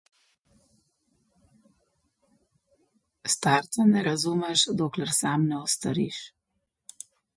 Starca ne razumeš, dokler sam ne ostariš.